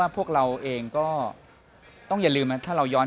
ตกลงพี่จะแย่โทย